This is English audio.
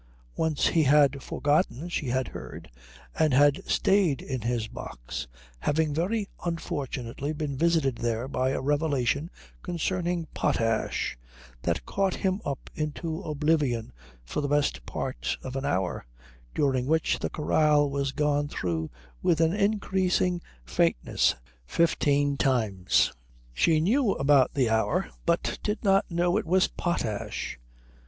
Once he had forgotten, she had heard, and had stayed in his box, having very unfortunately been visited there by a revelation concerning potash that caught him up into oblivion for the best part of an hour, during which the chorale was gone through with an increasing faintness fifteen times. She knew about the hour, but did not know it was potash.